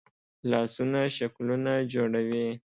لاسونه شکلونه جوړوي